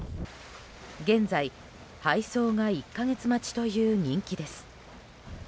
現在、配送が１か月待ちという人気です。